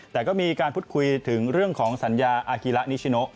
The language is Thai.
แต่ก็มีการพูดคุยถึงเรื่องของสัญญาอากิระนิชิโน